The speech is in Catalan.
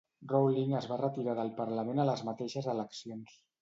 Rowling es va retirar del Parlament a les mateixes eleccions.